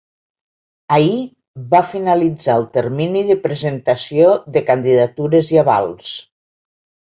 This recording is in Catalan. Ahir va finalitzar el termini de presentació de candidatures i avals.